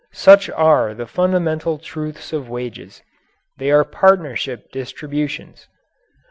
Such are the fundamental truths of wages. They are partnership distributions.